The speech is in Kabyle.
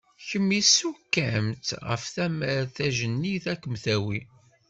Kemm issuk-am-tt ɣef tamart, tajennit ad kem-tawi.